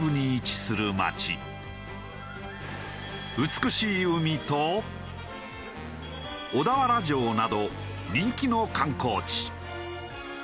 美しい海と小田原城など人気の観光地。